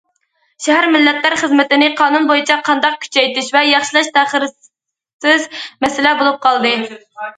شەھەر مىللەتلەر خىزمىتىنى قانۇن بويىچە قانداق كۈچەيتىش ۋە ياخشىلاش تەخىرسىز مەسىلە بولۇپ قالدى.